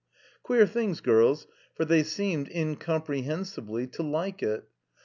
Queer things, girls, for they seemed, incomprehensibly, to like it.